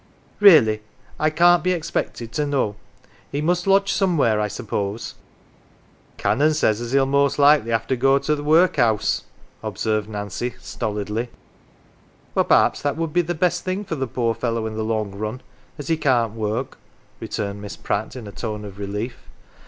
"Really, I can^t be expected to know. He must lodge somewhere, I suppose. 11 " Canon says as he 1 !! most like have to go to the workhouse, 11 observed Nancy, stolidly. " Well, perhaps, that would be the best thing for the poor fellow in the long run as he can't work, 11 returned Miss Pratt, in a tone of relief.